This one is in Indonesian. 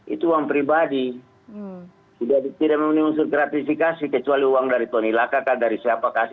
itu uang pribadi sudah tidak memenuhi unsur gratifikasi kecuali uang dari tony lakaka dari siapa kasih